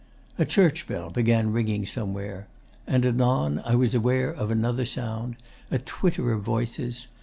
A church bell began ringing somewhere. And anon I was aware of another sound a twitter of voices.